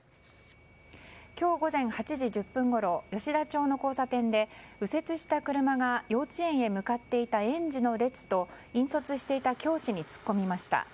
今日午前８時１０分ごろ吉田町の交差点で右折した車が幼稚園へ向かっていた園児の列と引率していた教師に突っ込みました。